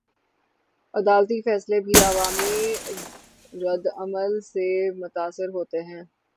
عدالتی فیصلے بھی عوامی ردعمل سے متاثر ہوتے ہیں؟